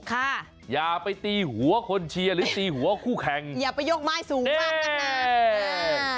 อย่าไปตีหัวคนเชียร์หรือตีหัวคู่แข่งอย่าไปยกไม้สูงมากนัก